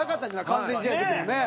完全試合の時もね。